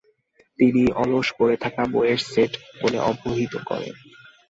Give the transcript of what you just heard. তিনি 'অলস পড়ে থাকা বইয়ের সেট' বলে অভিহিত করেন।